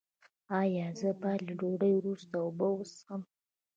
ایا زه باید له ډوډۍ وروسته اوبه وڅښم؟